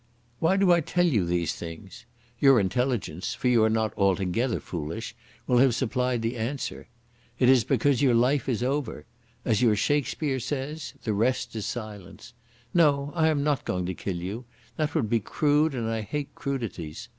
"Why do I tell you these things? Your intelligence, for you are not altogether foolish, will have supplied the answer. It is because your life is over. As your Shakespeare says, the rest is silence.... No, I am not going to kill you. That would be crude, and I hate crudities.